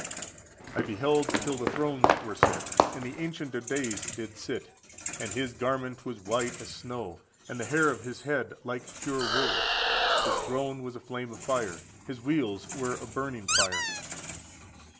14491449 Dan. vii. 2–8. 21. "I beheld till the thrones were set, and the Ancient of days did sit: and His garment was white as snow, and the hair of His head like pure wool: His throne was a flame of fire, His wheels were a burning fire.